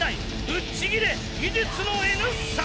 ぶっちぎれ技術のＮ産。